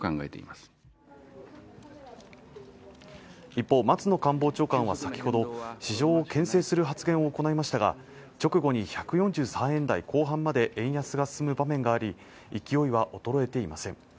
一方松野官房長官は先ほど市場を牽制する発言を行いましたが直後に１４３円台後半まで円安が進む場面があり勢いは衰えていません